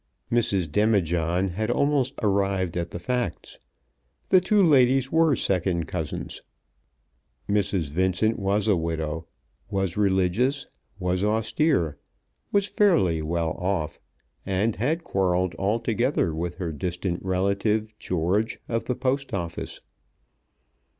Mrs. Demijohn had almost arrived at the facts. The two ladies were second cousins. Mrs. Vincent was a widow, was religious, was austere, was fairly well off, and had quarrelled altogether with her distant relative George of the Post Office.